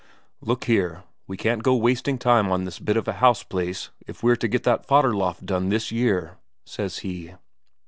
"Look here, we can't go wasting time on this bit of a house place if we're to get that fodder loft done this year," says he.